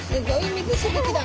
水しぶきだ。